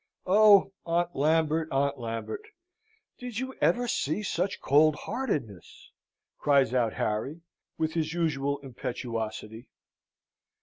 Oh, Aunt Lambert, Aunt Lambert, did you ever see such cold heartedness?" cries out Harry, with his usual impetuosity.